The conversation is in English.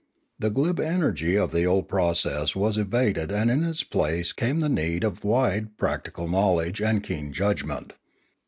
The glib energy of the old process was evaded and in its place came the need of wide practical knowledge and keen judgment.